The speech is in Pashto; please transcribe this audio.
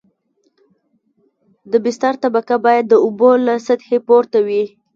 د بستر طبقه باید د اوبو له سطحې پورته وي